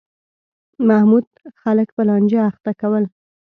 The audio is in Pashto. محمود خلک په لانجه اخته کول.